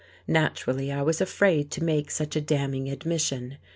Naturally I was afraid to make such a damning admission.